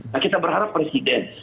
nah kita berharap presiden